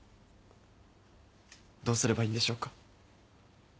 どうすればいいんでしょうか？